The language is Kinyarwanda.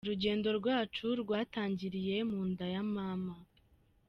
Urugendo rwacu rwatangiriye mu nda ya mama.